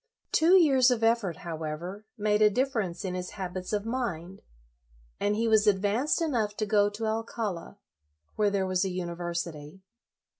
Two years of effort, however, made a difference in his habits of mind, and he was advanced enough to go to Alcala, where there was a university.